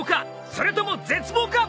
それとも絶望か？